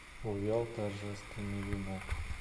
Увял торжественный венок.